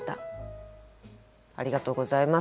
ありがとうございます。